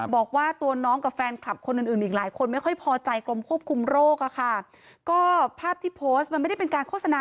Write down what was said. บอกว่าตัวน้องกับแฟนคลับคนอื่นอื่นอีก